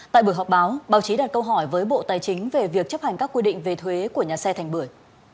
tại buổi họp báo báo chí đặt câu hỏi với bộ tài chính về việc chấp hành các quy định về thuế của nhà xe thành bưởi